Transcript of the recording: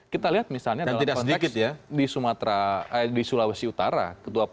kita lihat misalnya dalam konteks di sulawesi utara